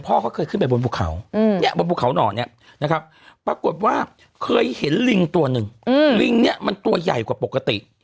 ปรากฏว่าเคยเห็นลิงตัวหนึ่งมันตัวใหญ่กว่าปกติ